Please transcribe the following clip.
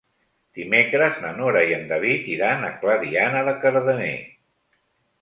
Dimecres na Nora i en David iran a Clariana de Cardener.